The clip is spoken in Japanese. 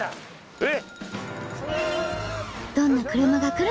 えっ！？